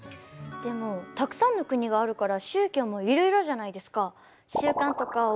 でもたくさんの国があるから宗教もいろいろじゃないですか。